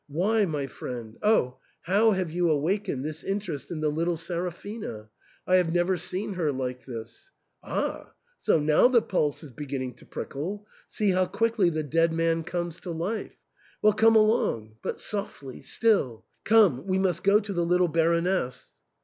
Why, my friend, — oh ! how have you awakened this interest in the little Seraphina ? I have never seen her like this. Ah !— so now the pulse is beginning to prickle ; see how quickly the dead man comes to life ! Well, come along — but softly, still ! Come, we must go to the little Baroness."